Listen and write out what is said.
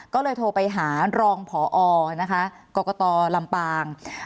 ก็เลยโทรไปหารองพอนะคะกรกตลำปาง